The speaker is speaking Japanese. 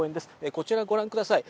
こちらご覧ください。